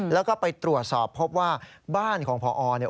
แล้วก็ไปตรวจสอบพบว่าบ้านของพอเนี่ย